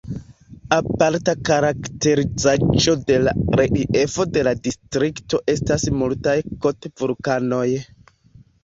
Aparta karakterizaĵo de la reliefo de la distrikto estas multaj kot-vulkanoj.